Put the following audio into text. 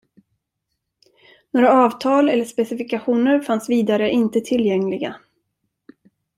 Några avtal eller specifikationer fanns vidare inte tillgängliga.